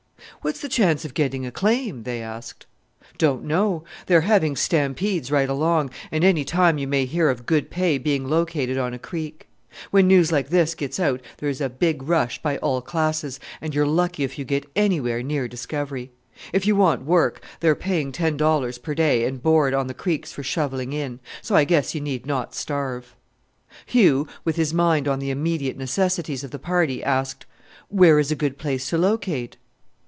"What's the chance of getting a claim?" they asked. "Don't know. They are having stampedes right along, and any time you may hear of good pay being located on a creek. When news like this gets out there is a big rush by all classes, and you're lucky if you get anywhere near discovery. If you want work, they are paying ten dollars per day and board on the creeks for shovelling in so I guess you need not starve!" Hugh, with his mind on the immediate necessities of the party, asked, "Where is a good place to locate?"